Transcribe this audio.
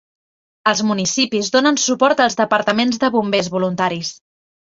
Els municipis donen suport als departaments de bombers voluntaris.